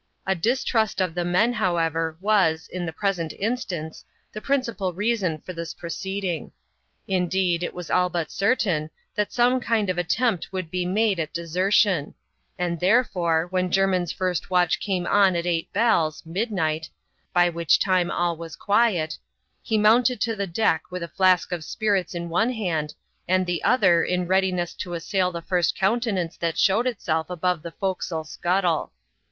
A distrust of the men, however, was, in the present instance, the principal reason for this proceeding. Indeed, it was all but certain, that aome kind of attempt would be made at desertion ; and, there fore, when Jermin's first watch came on at eight bells (midnight) — by which time all was quiet — he mounted to the deck with a flask of spirits in one hand, and the other in readiness to as sail the first countenance that showed itself above the forecastle scuttle.